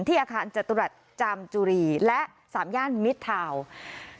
อาคารจตุรัสจามจุรีและ๓ย่านมิดทาวน์